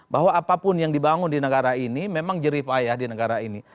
bahwa apapun yang dibangun di negara ini memang jerif ayah di negara ini